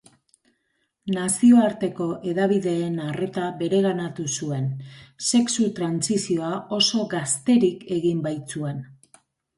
Nazioarteko hedabideen arreta bereganatu zuen, sexu-trantsizioa oso gazterik egin baitzuen.